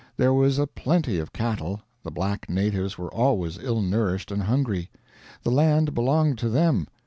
There was a plenty of cattle, the black natives were always ill nourished and hungry. The land belonged to them.